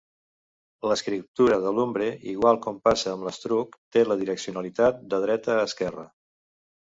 L'escriptura de l'umbre, igual com passa amb l'etrusc, té la direccionalitat de dreta a esquerra.